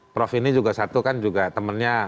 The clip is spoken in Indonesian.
prof ini juga satu kan juga temannya